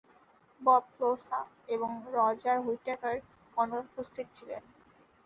Bob Closa এবং Roger Whittaker অনুপস্থিত ছিলেন।